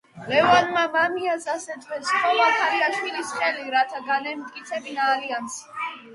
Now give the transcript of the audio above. ლევანმა მამიას ასევე სთხოვა ქალიშვილის ხელი, რათა განემტკიცებინა ალიანსი.